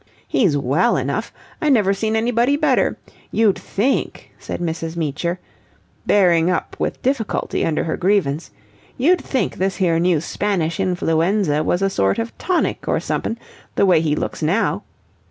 "He's well enough. I never seen anybody better. You'd think," said Mrs. Meecher, bearing up with difficulty under her grievance, "you'd think this here new Spanish influenza was a sort of a tonic or somep'n, the way he looks now.